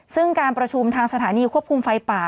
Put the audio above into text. ซึ่งการประชุมทางสถานีควบคุมไฟป่า